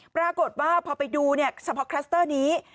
ปรากฏว่าพอไปดูเฉพาะคลัสเตอร์นี้